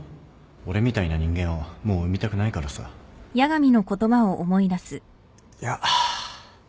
俺みたいな人間をもう生みたくないからさいや。